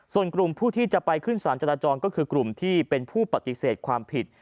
ส่วนกลุ่มผู้ที่จะไปขึ้นสารจราจรก็คือกลุ่มที่เป็นผู้ปฏิเสธความผิด